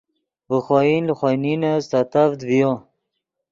ڤے خوئن لے خوئے نینے سیتڤد ڤیو